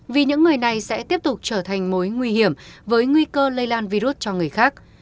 vì những người này sẽ tiếp tục trở thành mối nguy hiểm với nguy cơ lây lan virus cho người khác